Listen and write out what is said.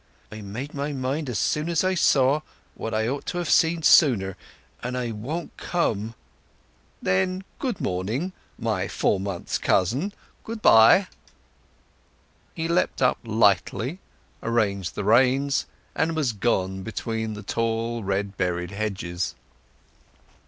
I made up my mind as soon as I saw—what I ought to have seen sooner; and I won't come." "Then good morning, my four months' cousin—good bye!" He leapt up lightly, arranged the reins, and was gone between the tall red berried hedges.